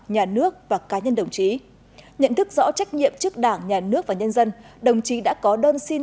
nhà nước và cá nhân đồng chí nhận thức rõ trách nhiệm trước đảng nhà nước và nhân dân đồng chí đã có đơn xin